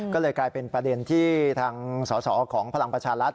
ก็เลยกลายเป็นประเด็นที่ทางสอสอของพลังประชารัฐ